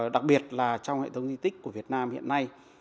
đặc biệt là trong hệ thống di tích của việt nam hiện nay